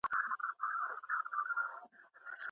په لاس لیکلنه د معلوماتو د خپلولو غوره لاره ده.